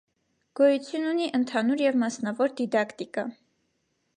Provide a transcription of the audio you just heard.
Գոյություն ունի ընդհանուր և մասնավոր դիդակտիկա։